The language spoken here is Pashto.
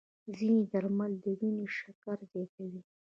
ځینې درمل د وینې شکر زیاتوي.